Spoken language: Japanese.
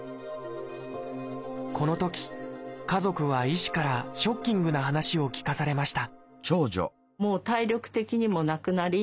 このとき家族は医師からショッキングな話を聞かされました